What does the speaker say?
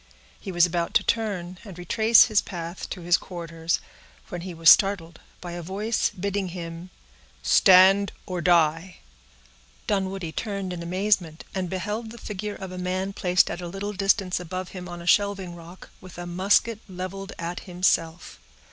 He was about to turn, and retrace his path to his quarters, when he was startled by a voice, bidding him,— "Stand or die!" Dunwoodie turned in amazement, and beheld the figure of a man placed at a little distance above him on a shelving rock, with a musket leveled at himself.